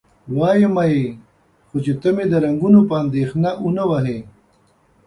وایمه یې، خو چې ته مې د رنګونو په اندېښنه و نه وهې؟